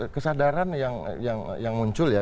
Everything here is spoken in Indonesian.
kesadaran yang muncul ya